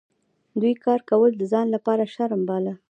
دوی کار کول د ځان لپاره شرم باله.